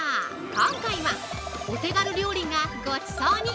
今回はお手軽料理がごちそうに！